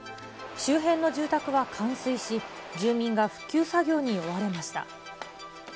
周辺の住宅は冠水し、住民が復旧作業に追われました。